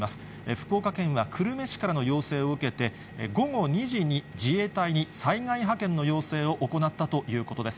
福岡県は久留米市からの要請を受けて、午後２時に自衛隊に災害派遣の要請を行ったということです。